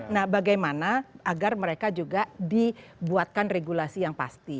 nah bagaimana agar mereka juga dibuatkan regulasi yang pasti